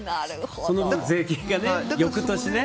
その分、税金が翌年にね。